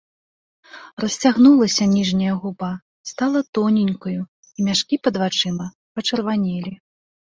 Расцягнулася ніжняя губа, стала тоненькаю, і мяшкі пад вачыма пачырванелі.